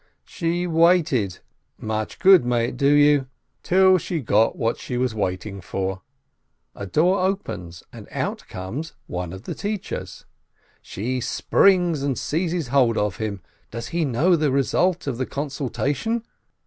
She waited (much good may it do you!) till she got what she was waiting for. A door opens, and out comes one of the teachers. She springs and seizes hold on him. Does he know the result of the consultation?